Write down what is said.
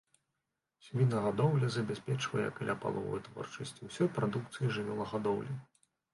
Свінагадоўля забяспечвае каля паловы вытворчасці ўсёй прадукцыі жывёлагадоўлі.